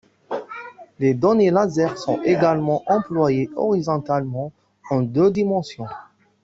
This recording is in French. Les données lasers sont également employées horizontalement en deux dimensions.